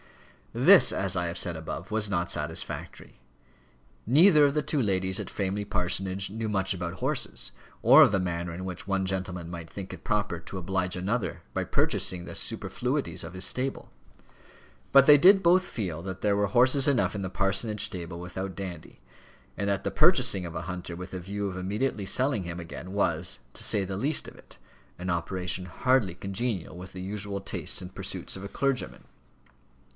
This, as I have said above, was not satisfactory. Neither of the two ladies at Framley Parsonage knew much about horses, or of the manner in which one gentleman might think it proper to oblige another by purchasing the superfluities of his stable; but they did both feel that there were horses enough in the parsonage stable without Dandy, and that the purchasing of a hunter with the view of immediately selling him again, was, to say the least of it, an operation hardly congenial with the usual tastes and pursuits of a clergyman.